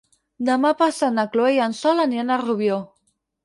Demà passat na Chloé i en Sol aniran a Rubió.